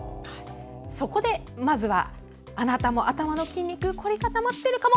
そこで、まずはあなたも頭の筋肉凝り固まってるかも？